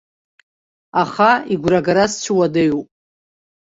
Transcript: Аха игәрагара сцәыуадаҩуп.